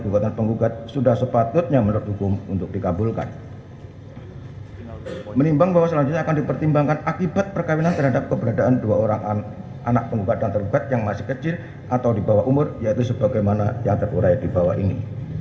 pertama penggugat akan menerjakan waktu yang cukup untuk menerjakan si anak anak tersebut yang telah menjadi ilustrasi